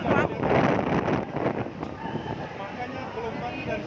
bas disiapkan bas